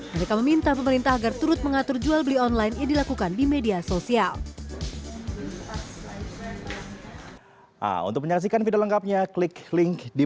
mereka meminta pemerintah agar turut mengatur jual beli online yang dilakukan di media sosial